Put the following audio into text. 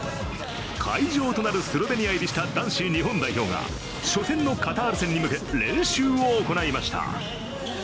会場となるスロベニア入りした男子日本代表が初戦のカタール戦に向け練習を行いました。